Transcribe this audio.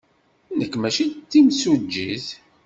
Nekk maci d timsujjit.